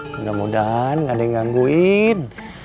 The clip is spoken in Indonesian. mudah mudahan ada yang ngangguin